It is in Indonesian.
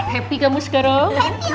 happy kamu sekarang